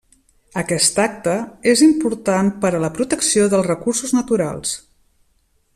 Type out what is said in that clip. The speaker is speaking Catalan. Aquesta acta és important per a la protecció dels recursos naturals.